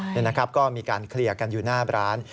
นี่นะครับก็มีการเคลียร์กันอยู่หน้าร้าน